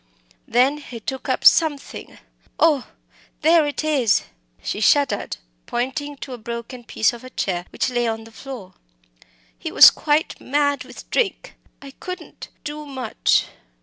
Then he took up something oh! there it is!" She shuddered, pointing to a broken piece of a chair which lay on the floor. "He was quite mad with drink I couldn't do much."